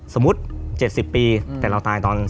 สมมุติ๗๐ปีแต่เราตายตอน